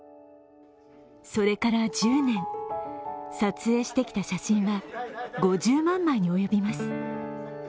それから１０年、撮影してきた写真は５０万枚に及びます。